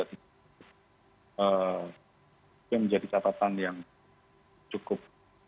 itu yang menjadi catatan yang cukup